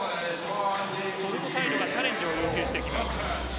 トルコサイドがチャレンジを要求します。